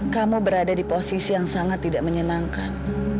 kamu berada di posisi yang sangat tidak menyenangkan